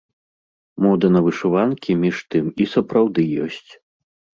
Мода на вышыванкі, між тым, і сапраўды ёсць.